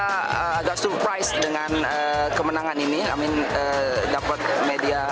sekolah dan teman teman yang sudah mendukung kita